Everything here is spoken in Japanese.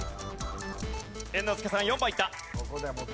猿之助さん４番いった。